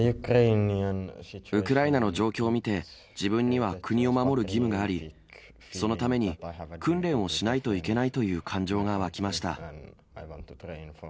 ウクライナの状況を見て、自分には国を守る義務があり、そのために訓練をしないといけないという感情が湧きました。